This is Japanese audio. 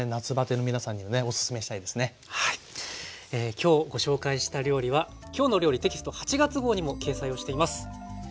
今日ご紹介した料理は「きょうの料理」テキスト８月号にも掲載をしています。